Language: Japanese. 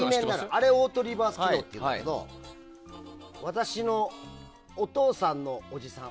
あれをオートリバース機能っていうんだけど私のお父さんのおじさん